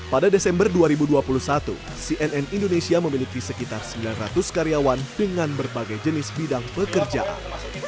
pada desember dua ribu dua puluh satu cnn indonesia memiliki sekitar sembilan ratus karyawan dengan berbagai jenis bidang pekerjaan